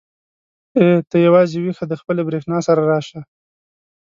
ای ته یوازې ويښه د خپلې برېښنا سره راشه.